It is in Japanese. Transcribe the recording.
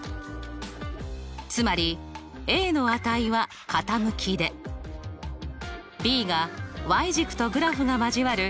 つまりの値は傾きでｂが軸とグラフが交わる